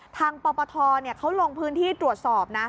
ปปทเขาลงพื้นที่ตรวจสอบนะ